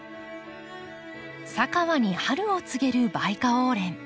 佐川に春を告げるバイカオウレン。